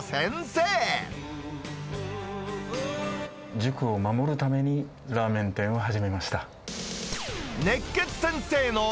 塾を守るためにラーメン店を始めました。